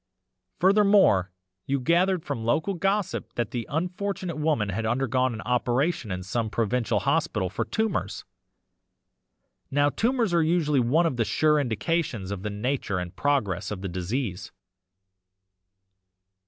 Furthermore, you gathered from local gossip that the unfortunate woman had undergone an operation in some provincial hospital for tumours; now tumours are usually one of the sure indications of the nature and progress of the disease.